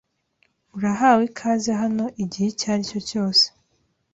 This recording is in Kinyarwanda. Urahawe ikaze hano igihe icyo aricyo cyose, .